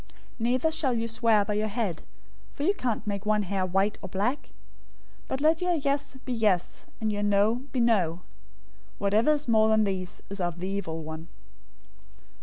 005:036 Neither shall you swear by your head, for you can't make one hair white or black. 005:037 But let your 'Yes' be 'Yes' and your 'No' be 'No.' Whatever is more than these is of the evil one.